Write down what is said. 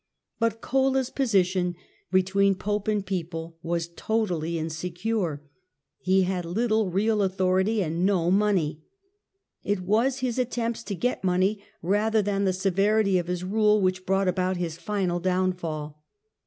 But Cola's position between Pope and people was totally insecure ; he had little real au thority and no money. It was his attempts to get money rather than the severity of his rule which brought about his final downfall.